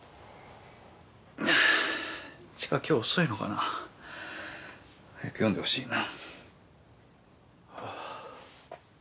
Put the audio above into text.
知花今日遅いのかな？早く読んでほしいな。